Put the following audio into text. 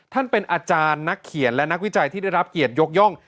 ท่านเป็นอาจารย์นักเขียนและนักวิจัยที่ได้รับเกียรติยกย่อง